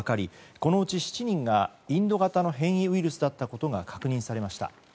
このうち７人がインド型の変異ウイルスだったことが確認されました。